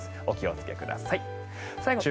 お気をつけください。